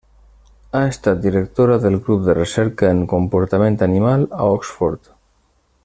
Ha estat directora del Grup de Recerca en Comportament Animal a Oxford.